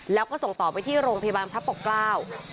แล้วก็ส่งต่อไปที่โรงพยาบาลพระปกเกล้า